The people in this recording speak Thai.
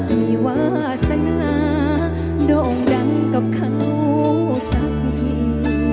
มีวาสนาโด่งดังกับเขาสักที